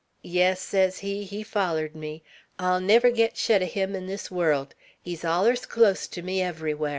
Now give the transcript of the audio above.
'Yes,' sez he, 'he follered me. I'll never git shet o' him in this world. He's allers clost to me everywhar.'